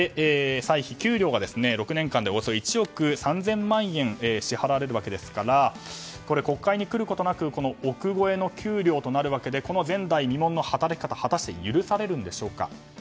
給料はおよそ１億３０００万円支払われるわけですから国会に来ることなく億超えの給料となるわけでこの前代未聞の働き方は果たして許されるのでしょうか。